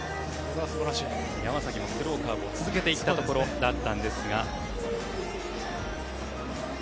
山崎のスローカーブを続けていったところでしたが。